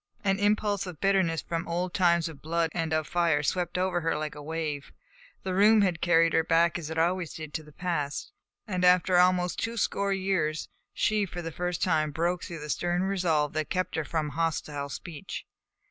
An impulse of bitterness from the old times of blood and of fire swept over her like a wave. The room had carried her back as it always did to the past, and after almost two score years she for the first time broke through the stern resolve that had kept her from hostile speech.